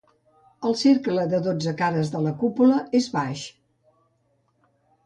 El cercle de dotze cares de la cúpula és baix.